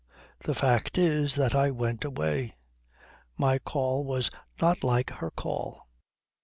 The fact is that I went away. My call was not like her call.